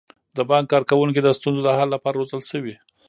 د بانک کارکوونکي د ستونزو د حل لپاره روزل شوي.